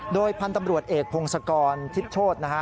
โดยพันธ์ตำรวจเอกภงสกรฮิตโศตนะฮะ